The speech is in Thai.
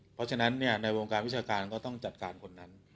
เพราะฉะนั้นในวงการวิชาการก็ต้องจัดการคนนั้น